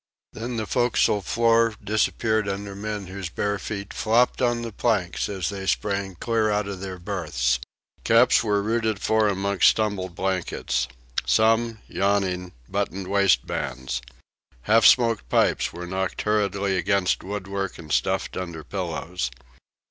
Then the forecastle floor disappeared under men whose bare feet flopped on the planks as they sprang clear out of their berths. Caps were rooted for amongst tumbled blankets. Some, yawning, buttoned waistbands. Half smoked pipes were knocked hurriedly against woodwork and stuffed under pillows.